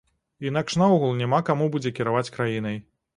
Інакш наогул няма каму будзе кіраваць краінай.